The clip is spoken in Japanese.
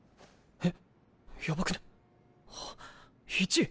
えっ。